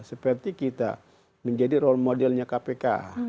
seperti kita menjadi role modelnya kpk